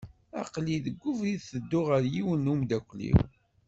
Aqlih deg ubrid tedduɣ ɣer yiwen n umeddakel-iw.